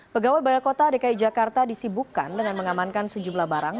pegawai balai kota dki jakarta disibukkan dengan mengamankan sejumlah barang